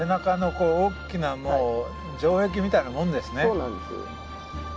そうなんです。